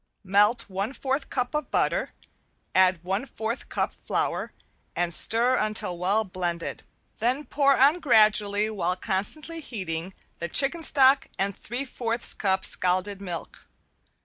Melt one fourth cup of butter, add one fourth cup flour, and stir until well blended, then pour on gradually while constantly heating the chicken stock and three fourths cup scalded milk.